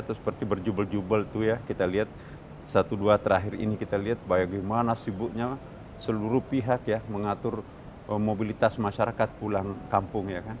atau seperti berjubel jubel itu ya kita lihat satu dua terakhir ini kita lihat bagaimana sibuknya seluruh pihak ya mengatur mobilitas masyarakat pulang kampung ya kan